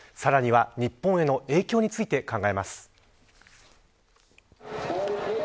さらには日本への影響について考えます。